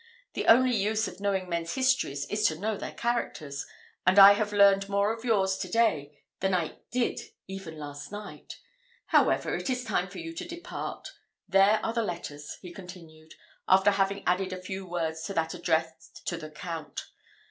The only use of knowing men's histories is to know their characters, and I have learned more of yours to day than I did even last night. However, it is time for you to depart. There are the letters," he continued, after having added a few words to that addressed to the Count.